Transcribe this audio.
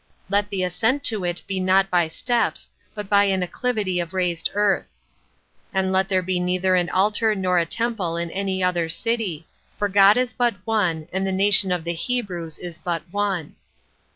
Let the ascent to it be not by steps 16 but by an acclivity of raised earth. And let there be neither an altar nor a temple in any other city; for God is but one, and the nation of the Hebrews is but one.